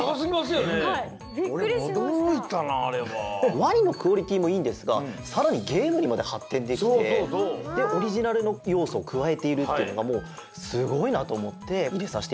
ワニのクオリティーもいいんですがさらにゲームにまではってんできてでオリジナルのようそをくわえているっていうのがもうすごいなとおもっていれさせていただきました。